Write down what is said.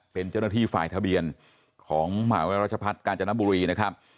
เป็นเจ้าหน้าที่ฝ่ายทะเบียนของมหาวิทยารัชพัฒน์กาญจนบุรีนะครับ